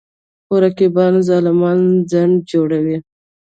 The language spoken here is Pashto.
خو رقیبان ظالمان خنډ جوړېږي.